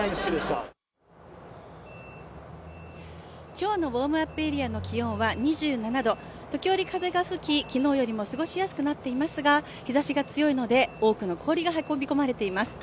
今日のウォームアップエリアの気温は２７度時折風が吹き、昨日よりも過ごしやすくなっていますが、日ざしが強いので、多くの氷が運び込まれています。